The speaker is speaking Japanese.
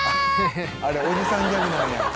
「あれおじさんギャグなんや」